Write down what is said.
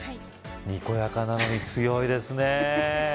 にこやかなのに強いですね